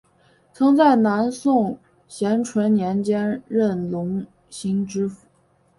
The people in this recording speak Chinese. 曾在南宋咸淳年间任隆兴知府。